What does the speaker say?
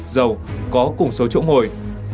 giàu có cùng số chỗ ngồi